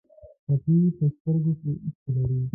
ټپي په سترګو کې اوښکې لري.